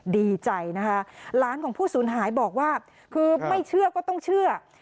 ดีใจนะคะหลานของผู้สูญหายบอกว่าคือไม่เชื่อก็ต้องเชื่อ